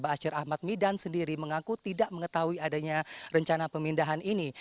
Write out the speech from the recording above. ⁇ asyir ahmad midan sendiri mengaku tidak mengetahui adanya rencana pemindahan ini